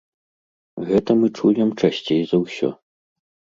Гэта мы чуем часцей за ўсё.